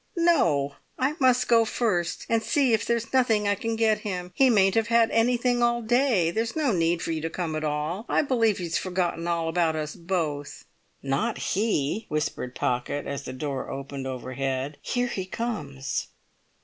"No! I must go first and see if there's nothing I can get him; he mayn't have had anything all day. There's no need for you to come at all—I believe he's forgotten all about us both!" "Not he!" whispered Pocket, as the door opened overhead. "Here he comes!"